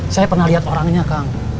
saya pernah lihat orangnya kang